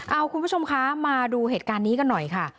เอาคุณผู้ชมคะมาดูเหตุการณ์นี้กันหน่อยค่ะ